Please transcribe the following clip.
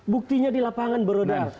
buktinya di lapangan berodar